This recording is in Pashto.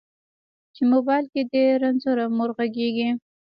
چې موبایل کې دې رنځوره مور غږیږي